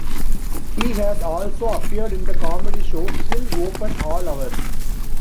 He has also appeared in the comedy show Still Open All Hours.